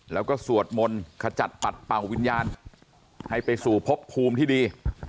แล้วก็สวดมนต์ขจัดปัดเป่าวิญญาณให้ไปสู่พบภูมิที่ดี